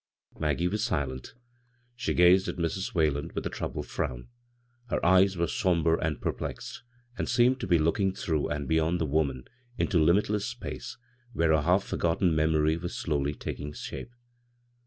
Maggie was silent She gazed at Mrs. Whalen with a troubled frown. Her eyes were sombre and perplexed, and seemed to "S b, Google CROSS CURRENTS be looking through and beyond the woman into limidess space where a half forgotten memory was slowly taking shape.